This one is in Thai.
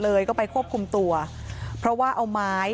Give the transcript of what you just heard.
และกลับไปที่พี่มีน้ำอาหารพี่สงสัยด้วย